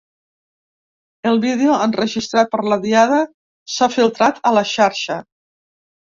El vídeo, enregistrat per la Diada, s’ha filtrat a la xarxa.